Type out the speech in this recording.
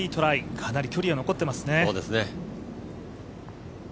かなり距離が残ってますね。